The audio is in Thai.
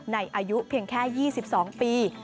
อายุเพียงแค่๒๒ปี